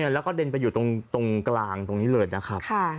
แล้วก็เด็นไปอยู่ตรงกลางตรงนี้เลยนะครับ